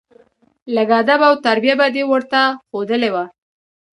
لېږ ادب او تربيه به دې ورته ښودلى وه.